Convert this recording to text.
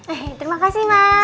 eh terima kasih mas